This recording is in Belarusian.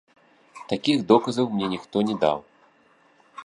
Такіх доказаў мне ніхто не даў.